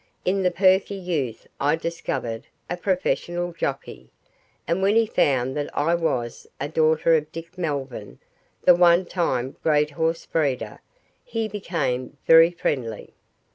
In the perky youth I discovered a professional jockey; and when he found that I was a daughter of Dick Melvyn, the one time great horse breeder, he became very friendly.